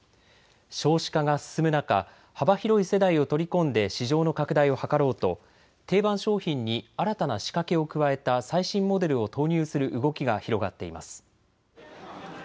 少子化が進む中、幅広い世代を取り込んで市場の拡大を図ろうと定番商品に新たな仕掛けを加えた最新モデルを投入する動きが広がっています。